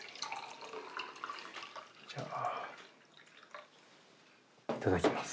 じゃあいただきます。